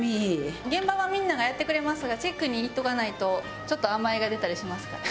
現場はみんながやってくれますがチェックに行っておかないとちょっと甘えが出たりしますから。